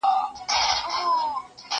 دا ليکلي پاڼي له هغو پاکې دي!.